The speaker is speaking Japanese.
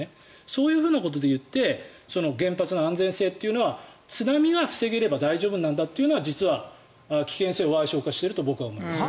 そういうふうなことで言って原発の安全性というのは津波が防げれば大丈夫なんだというのは、実は危険性をわい小化していると僕は思います。